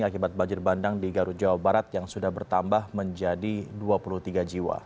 akibat banjir bandang di garut jawa barat yang sudah bertambah menjadi dua puluh tiga jiwa